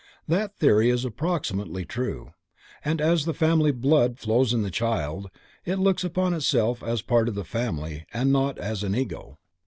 That theory is approximately true, and as the family blood flows in the child, it looks upon itself as part of the family and not as an Ego.